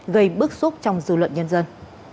gây bức xúc trong dư luận nhân dân